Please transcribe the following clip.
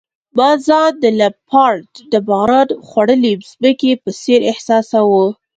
ما ځان د لمپارډ د باران خوړلي مځکې په څېر احساساوه.